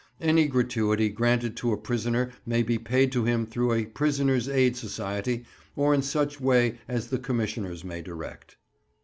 Any gratuity granted to a prisoner may be paid to him through a Prisoners' Aid Society, or in such way as the Commissioners may direct.